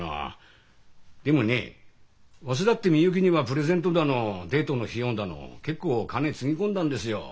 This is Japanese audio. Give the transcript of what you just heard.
でもねわしだって美幸にはプレゼントだのデートの費用だの結構金つぎ込んだんですよ。